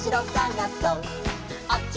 「あっち！